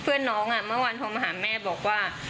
เพื่อนน้องเมื่อวานโทรมาหาแม่บอกว่า